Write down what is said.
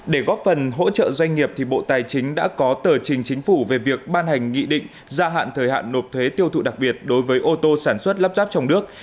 để góp phần hỗ trợ doanh nghiệp bộ tài chính đã có tờ trình chính phủ về việc ban hành nghị định gia hạn thời hạn nộp thuế tiêu thụ đặc biệt đối với ô tô sản xuất lắp ráp trong nước